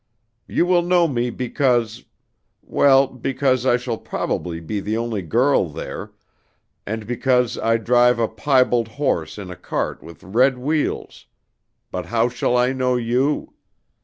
You will know me because well, because I shall probably be the only girl there, and because I drive a piebald horse in a cart with red wheels but how shall I know you?